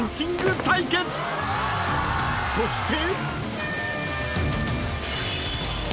［そして］